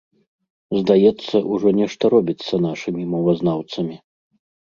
Здаецца, ужо нешта робіцца нашымі мовазнаўцамі.